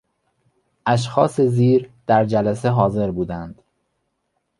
اشخاص زیر در جلسه حاضر بودند.....